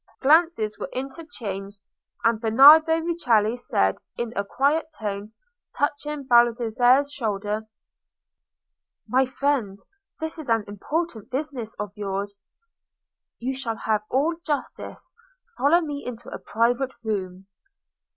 Glances were interchanged; and Bernardo Rucellai said, in a quiet tone, touching Baldassarre's shoulder— "My friend, this is an important business of yours. You shall have all justice. Follow me into a private room."